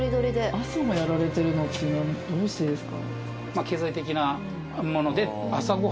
朝もやられてるのっていうのはどうしてですか？